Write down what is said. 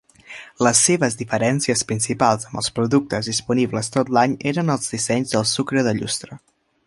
Les seves diferències principals amb els productes disponibles tot l'any eren els dissenys del sucre de llustre.